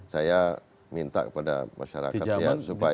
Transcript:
saya minta kepada masyarakat ya